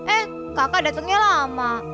eh kakak datangnya lama